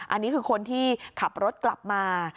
อันนี้คือคนที่ขับรถกลับมา